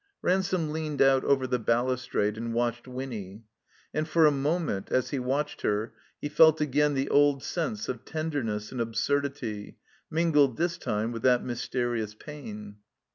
Ransome leaned out over the balustrade and watched Winny. And for a moment, as he watched her, he felt again the old sense of tenderness and absurdity, mingled, this time, with that mysterious pain.